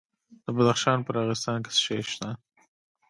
د بدخشان په راغستان کې څه شی شته؟